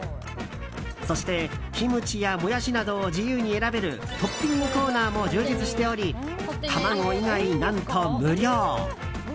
そしてキムチやモヤシなどを自由に選べるトッピングコーナーも充実しており、卵以外何と無料。